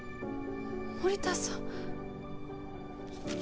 森田さん！